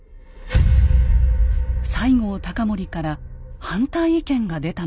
西郷隆盛から反対意見が出たのです。